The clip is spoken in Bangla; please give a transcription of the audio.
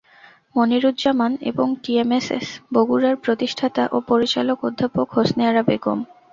মনিরুজ্জামান এবং টিএমএসএস বগুড়ার প্রতিষ্ঠাতা ও পরিচালক অধ্যাপক হোসনে আরা বেগম।